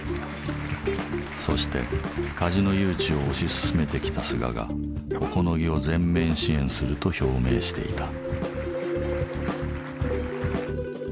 そしてカジノ誘致を推し進めてきた菅が小此木を全面支援すると表明していた。